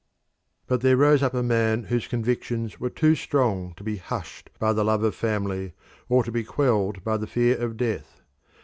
But there rose up a man whose convictions were too strong to be hushed by the love of family or to be quelled by the fear of death.